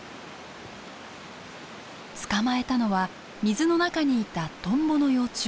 捕まえたのは水の中にいたトンボの幼虫。